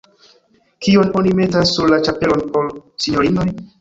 Kion oni metas sur la ĉapelojn por sinjorinoj?